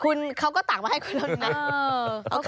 คุณเขาก็ตักมาให้คุณแล้วนะ